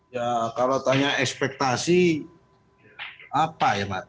ya kalau tanya ekspektasi apa ya mas